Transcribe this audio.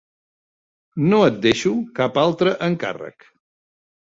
No et deixo cap altre encàrrec.